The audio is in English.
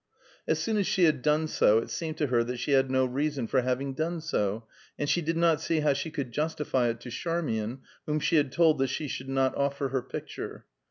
As soon as she had done so, it seemed to her that she had no reason for having done so, and she did not see how she could justify it to Charmian, whom she had told that she should not offer her picture.